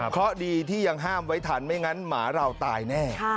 เพราะดีที่ยังห้ามไว้ทันไม่งั้นหมาเราตายแน่